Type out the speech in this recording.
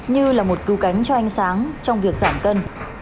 như là một cứu cánh cho ánh sáng trong việc giảm cân